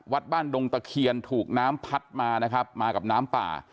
วัดบ้านดงตะเคียนถูกน้ำพัดมานะครับมากับน้ำป่า